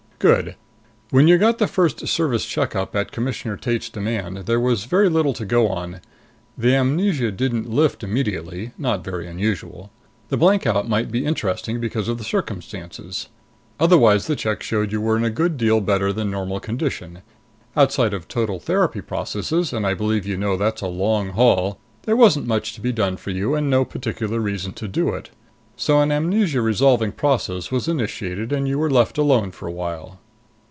"Good. When you got the first Service check up at Commissioner Tate's demand, there was very little to go on. The amnesia didn't lift immediately not very unusual. The blankout might be interesting because of the circumstances. Otherwise the check showed you were in a good deal better than normal condition. Outside of total therapy processes and I believe you know that's a long haul there wasn't much to be done for you, and no particular reason to do it. So an amnesia resolving process was initiated and you were left alone for a while.